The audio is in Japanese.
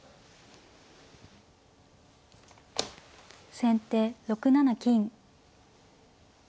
先手６七金。